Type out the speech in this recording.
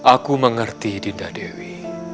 aku mengerti dinda dewi